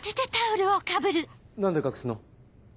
何で隠すの？